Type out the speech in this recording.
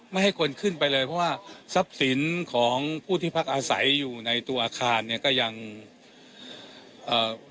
ไม่ให้คนขึ้นไปเลยเพราะว่าทรัพย์สินของผู้ที่พักอาศัยอยู่ในตัวอาคารเนี่ยก็ยังเอ่อ